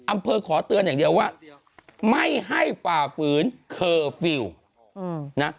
อำเภอขอเตือนอย่างเดียวว่าไม่ให้ฝ่าฝืนเคอร์ฟิลล์นะ